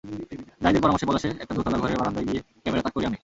দাইদের পরামর্শে পলাশের একটা দোতলা ঘরের বারান্দায় গিয়ে ক্যামেরা তাক করি আমি।